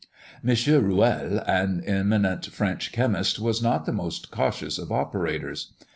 M. Rouelle, an eminent French chemist, was not the most cautious of operators.